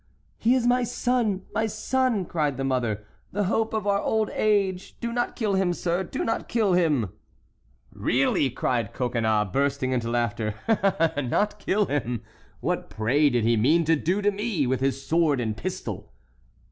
"He is my son, my son!" cried the mother; "the hope of our old age! Do not kill him, sir,—do not kill him!" "Really," cried Coconnas, bursting into laughter, "not kill him! What, pray, did he mean to do to me, with his sword and pistol?"